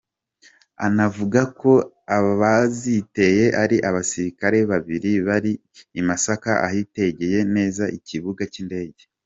Anavuga ko abaziteye ari abasirikare babiri bari i Masaka ahitegeye neza ikibuga cy’indege.